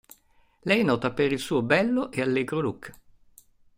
Lei è nota per il suo bello e allegro look.